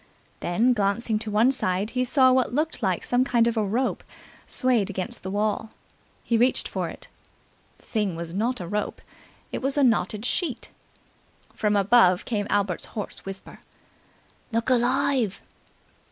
Then, glancing to one side, he saw what looked like some kind of a rope swayed against the wall. He reached for it. The thing was not a rope: it was a knotted sheet. From above came Albert's hoarse whisper. "Look alive!"